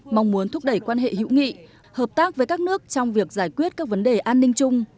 mong muốn thúc đẩy quan hệ hữu nghị hợp tác với các nước trong việc giải quyết các vấn đề an ninh chung